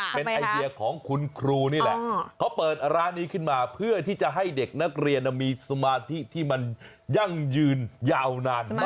เป็นไอเดียของคุณครูนี่แหละเขาเปิดร้านนี้ขึ้นมาเพื่อที่จะให้เด็กนักเรียนมีสมาธิที่มันยั่งยืนยาวนานมาก